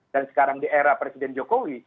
dan sekarang daerah presiden jokowi